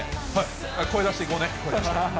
声出していこうね。